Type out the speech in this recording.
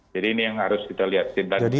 jadi ini yang harus kita lihat